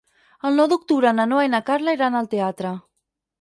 El nou d'octubre na Noa i na Carla iran al teatre.